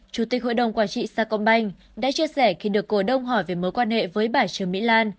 chủ tịch hội đồng quản trị sa công banh đã chia sẻ khi được cổ đông hỏi về mối quan hệ với bà trường mỹ lan